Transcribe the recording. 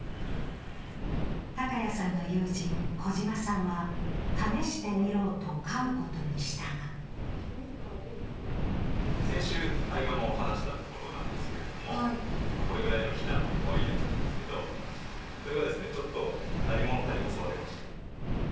高谷さんの友人・児嶋さんは、試してみようと飼うことにしたが先週、アイガモを放したところなんですけど、これぐらいのひなの、かわいいやつなんですけど、それがちょっと何ものかに襲われまして。